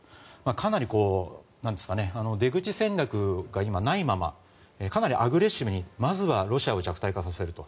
かなり出口戦略が今ないままかなりアグレッシブにまずはロシアを弱体化させると。